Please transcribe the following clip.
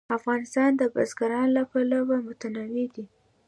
افغانستان د بزګان له پلوه متنوع دی.